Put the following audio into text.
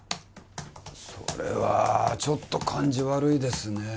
それはちょっと感じ悪いですね